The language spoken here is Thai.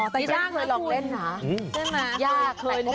อ๋อแต่ยากนะคุณมันเคยหลอกเล่นเหรอ